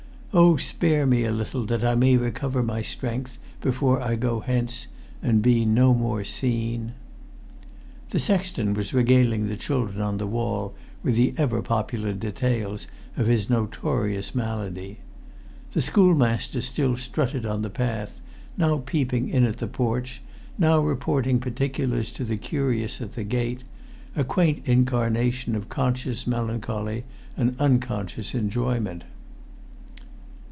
"O spare me a little, that I may recover my strength: before I go hence, and be no more seen ..." The sexton was regaling the children on the wall with the ever popular details of his notorious malady. The schoolmaster still strutted on the path, now peeping in at the porch, now reporting particulars to the curious at the gate: a quaint incarnation of conscious melancholy and unconscious enjoyment.